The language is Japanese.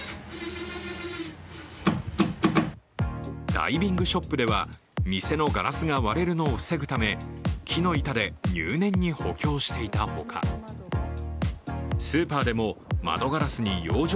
ダイビングショップでは店のガラスが割れるのを防ぐため木の板で入念に補強していたほかスーパーでも窓ガラスに養生